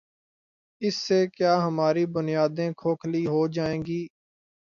اس سے کیا ہماری بنیادیں کھوکھلی ہو جائیں گی؟